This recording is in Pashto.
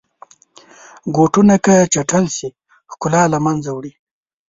بوټونه که چټل شي، ښکلا له منځه وړي.